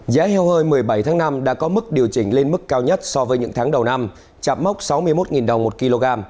giá heo hơi một mươi bảy tháng năm đã có mức điều chỉnh lên mức cao nhất so với những tháng đầu năm chạp mốc sáu mươi một đồng một kg